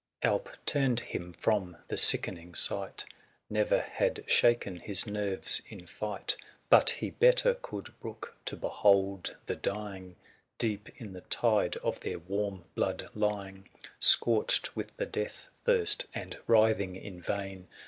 Alp turned him from the sickening sight : Never had shaken his nerves in fight ; 435 But he better could brook to behold the dying, Deep in the tide of their warm blood lying, Scorched with the death^thirst, and writhing in vain.